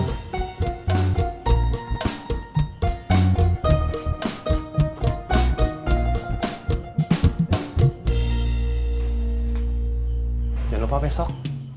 jangan lupa besok